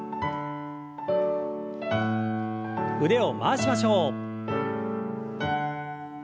腕を回しましょう。